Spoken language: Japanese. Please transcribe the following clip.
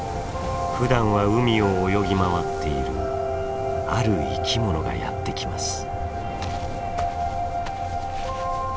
ふだんは海を泳ぎ回っているある生きものがやって来ます。